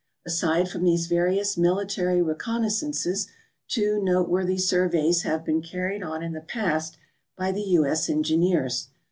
Aside from these various military reconnaissances two noteworthy surveys have been car ried on in the past by the U. S. Engineers.